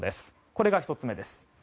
これが１つ目です。